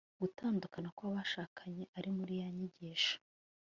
gutandukana kw'abashakanye ari muri ya nyigisho